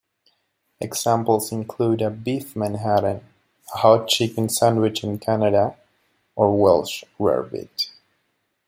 Examples include a beef Manhattan, a hot chicken sandwich in Canada, or Welsh rarebit.